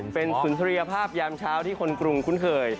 เป็นสุนทรียภาพยามเช้าที่คนกรุงคุ้นเคย